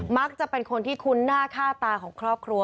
มักจะเป็นคนที่คุ้นหน้าค่าตาของครอบครัว